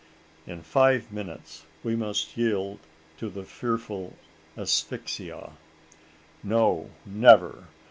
In five minutes, we must yield to the fearful asphyxia. "No! never!